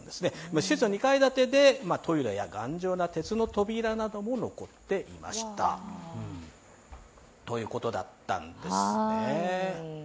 施設は２階建てでトイレや頑丈な鉄の扉なども残っていましたということだったんですね。